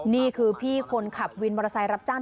นี่คือพี่คนขับวินมอเบิร์นมอเบิร์นรับจ้าง